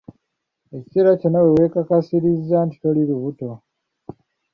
Ekiseera kyonna we weekakasiriza nti toli lubuto.